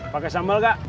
pakai sambal gak